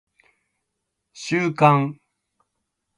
収監